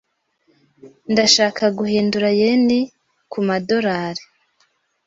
Ndashaka guhindura yen kumadorari .